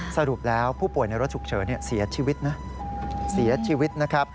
สรุปแล้วผู้ป่วยในรถฉุกเฉินเสียชีวิตนะ